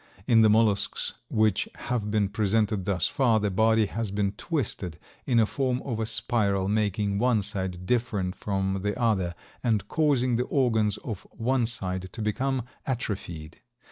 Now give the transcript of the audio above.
In the mollusks which have been presented thus far, the body has been twisted in the form of a spiral, making one side different from the other and causing the organs of one side to become atrophied.